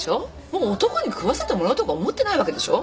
もう男に食わせてもらおうとか思ってないわけでしょ？